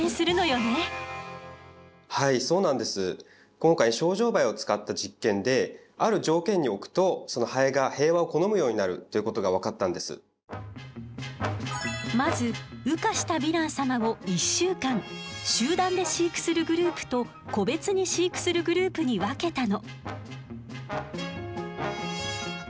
今回ショウジョウバエを使った実験でまず羽化したヴィラン様を１週間集団で飼育するグループと個別に飼育するグループに分けたの。